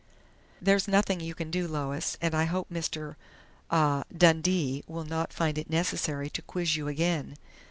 "There's nothing you can do, Lois, and I hope Mr. ah Dundee will not find it necessary to quiz you again."